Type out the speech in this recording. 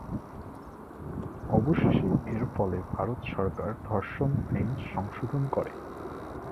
অবশেষে এর ফলে ভারত সরকার ধর্ষণ আইন সংশোধন করে।